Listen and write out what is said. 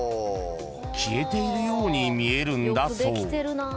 ［消えているように見えるんだそう］